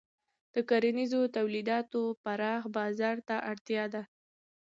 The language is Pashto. د کرنیزو تولیداتو پراخ بازار ته اړتیا ده.